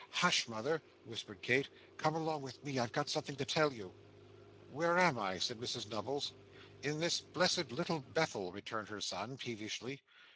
'Hush, mother!' whispered Kit. 'Come along with me, I've got something to tell you.' 'Where am I?' said Mrs Nubbles. 'In this blessed Little Bethel,' returned her son, peevishly.